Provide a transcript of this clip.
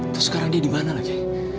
terus sekarang dia dimana lagi